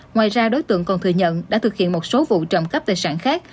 ngoài ra đối tượng còn thừa nhận đã thực hiện một số vụ trộm cắp tài sản khác